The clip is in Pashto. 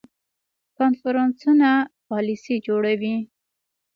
کنفرانسونه پالیسي جوړوي